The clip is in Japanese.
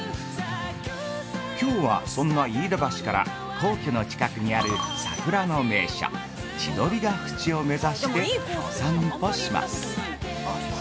きょうはそんな飯田橋から皇居の近くにある桜の名所千鳥ヶ淵を目指しておさんぽします。